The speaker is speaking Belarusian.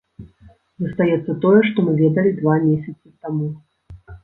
Застаецца тое, што мы ведалі два месяцы таму.